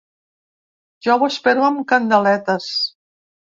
Jo ho espero amb candeletes.